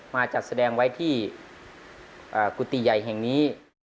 มาจัดแสดงไว้ที่กุฏิใหญ่แห่งนี้